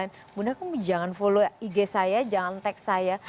saya bilang ke mbak yudi mbak yudi kamu jangan follow ig saya jangan tag saya